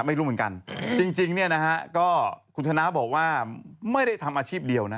ไม่รู้เหมือนกันจริงเนี่ยนะฮะก็คุณธนาบอกว่าไม่ได้ทำอาชีพเดียวนะ